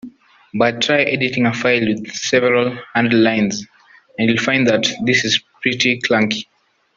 But try editing a file with several hundred lines, and you'll find that this is pretty clunky.